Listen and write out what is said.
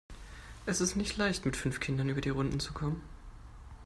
Es ist nicht leicht, mit fünf Kindern über die Runden zu kommen.